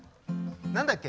何だっけ？